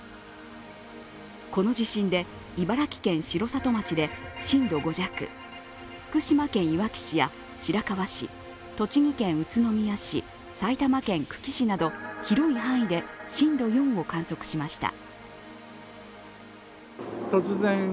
この地震で茨城県城里町で震度５弱福島県いわき市や白河市、栃木県宇都宮市、埼玉県久喜市など広い範囲で震度４を観測しました。